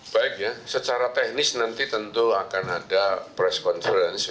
baik ya secara teknis nanti tentu akan ada press conference